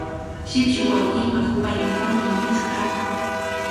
Shipshi wawqiipa hupaynintami rirqush kaa.